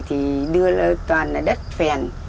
thì đưa lên toàn là đất phèn